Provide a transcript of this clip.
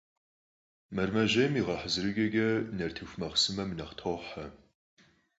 Мэрэмэжьейм и гъэхьэзырыкIэкIэ нартыху махъсымэм нэхъ тохьэ.